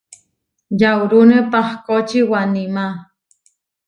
Yaurúne pahkóči Waníma.